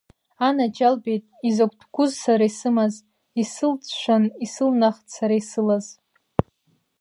Анаџьалбеит, изакәтә гәыз сара исымаз, исылцәцәаан исылнахт сара исылаз.